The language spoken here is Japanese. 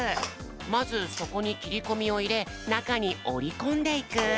まずそこにきりこみをいれなかにおりこんでいく。